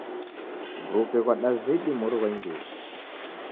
Mruke ghwadazidi mori ghwa imbiri.